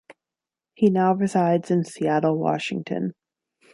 He now resides in Seattle, Washington.